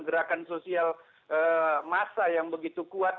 gerakan sosial massa yang begitu kuat